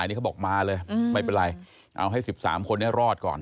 นี่เขาบอกมาเลยไม่เป็นไรเอาให้๑๓คนให้รอดก่อน